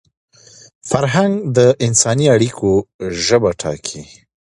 فرهنګ د انساني اړیکو ژبه ټاکي.